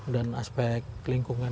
dan aspek lingkungan